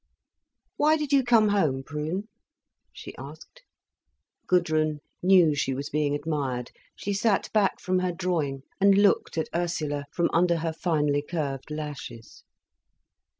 "Why did you come home, Prune?" she asked. Gudrun knew she was being admired. She sat back from her drawing and looked at Ursula, from under her finely curved lashes.